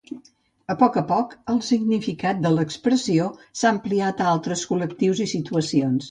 A poc a poc, el significat de l'expressió s'ha ampliat a altres col·lectius i situacions.